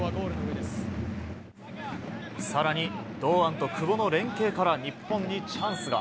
更に、堂安と久保の連携から日本にチャンスが。